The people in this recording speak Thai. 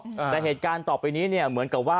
แต่เหตุการณ์ต่อไปนี้เนี่ยเหมือนกับว่า